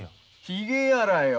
ひげやらよ。